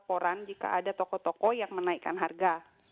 mbak terjadi panic buying karena ada kebanyakan yang menarik harga